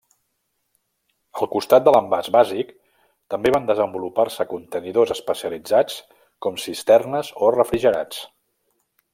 Al costat de l'envàs bàsic també van desenvolupar-se contenidors especialitzats com cisternes o refrigerats.